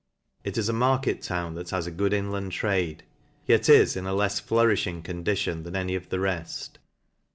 It is a market town that has a good inland trade; yet is in a lefs flourifhing condition than any of the reft.